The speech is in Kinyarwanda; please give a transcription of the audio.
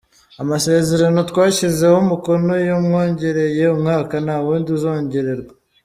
Amasezerano twashyizeho umukono yamwongereye umwaka, nta wundi azongererwa.